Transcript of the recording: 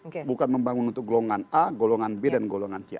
karena partai golkar hadir membangun untuk golongan a golongan b dan golongan c